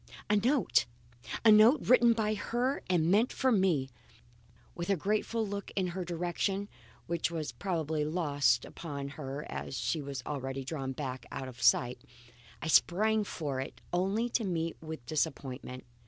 A note! A note written by her and meant for me! With a grateful look in her direction (which was probably lost upon her as she had already drawn back out of sight), I sprang for it only to meet with disappointment.